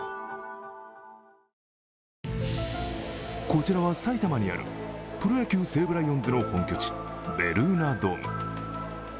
こちらは埼玉にあるプロ野球・西武ライオンズの本拠地ベルーナドーム。